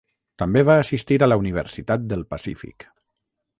També va assistir a la Universitat del Pacífic.